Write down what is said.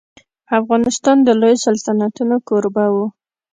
افغانستان د لويو سلطنتونو کوربه و.